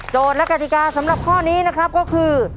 และกติกาสำหรับข้อนี้นะครับก็คือ